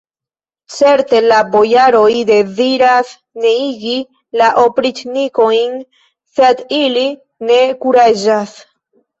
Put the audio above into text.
Certe, la bojaroj deziras neniigi la opriĉnikojn, sed ili ne kuraĝas!